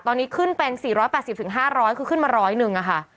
ตอนนี้ขึ้นเป็น๔๘๐๕๐๐คือขึ้นมา๑๐๐นึงค่ะ